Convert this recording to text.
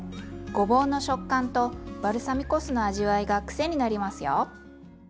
ごぼうの食感とバルサミコ酢の味わいが癖になりますよ。